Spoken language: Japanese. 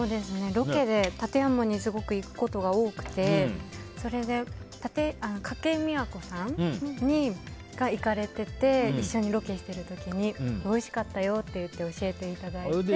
ロケで館山にすごく行くことが多くて筧美和子さんが行かれていて一緒にロケしている時においしかったよって教えていただいて。